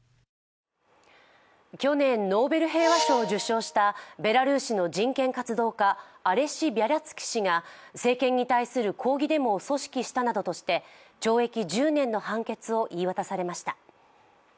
去年ノーベル平和賞を受賞したベラルーシの人権活動家アレシ・ビャリャツキ氏が政権に対する抗議デモを組織したなどとして懲役１０年の判決を言い渡されました。